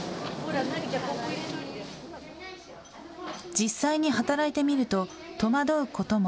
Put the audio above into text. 実際に働いてみると戸惑うことも。